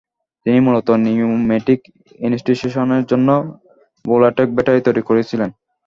তিনি মূলত নিউমেটিক ইনস্টিটিউশানের জন্য ভোল্টাইক ব্যাটারির তৈরী করছিলেন।